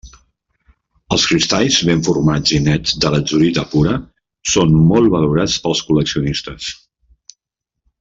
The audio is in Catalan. Els cristalls ben formats i nets de latzurita pura són molt valorats pels col·leccionistes.